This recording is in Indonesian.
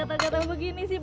kenapa gatal gatal begini sih